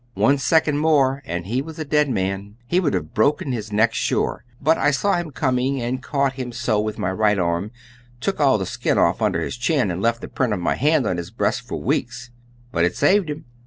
One second more and he was a dead man; he would have broken his neck sure, but I saw him coming and caught him so with my right arm, took all the skin off under his chin, and left the print of my hand on his breast for weeks. But it saved him.